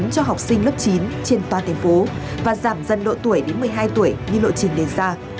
cho học sinh lớp chín trên toàn thành phố và giảm dần độ tuổi đến một mươi hai tuổi như lộ trình đề ra